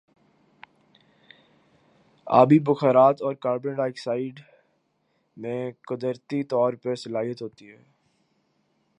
آبی بخارات اور کاربن ڈائی آکسائیڈ میں قدرتی طور پر صلاحیت ہوتی ہے